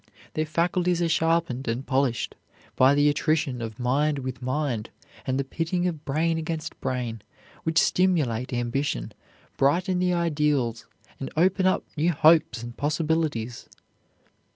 Their faculties are sharpened and polished by the attrition of mind with mind, and the pitting of brain against brain, which stimulate ambition, brighten the ideals, and open up new hopes and possibilities.